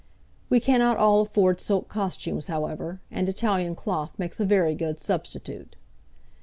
We cannot all afford silk costumes, however, and Italian cloth makes a very good substitute.